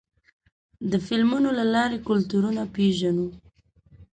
د فلمونو له لارې کلتورونه پېژنو.